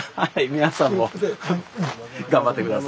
皆さんも頑張ってください。